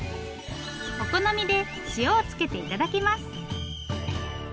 お好みで塩をつけて頂きます。